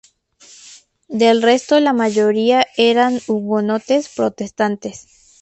Del resto la mayoría eran hugonotes protestantes.